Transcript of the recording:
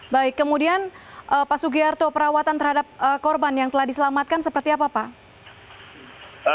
baik kemudian pak sugiarto perawatan terhadap korban yang telah diselamatkan seperti apa pak